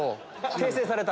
訂正された。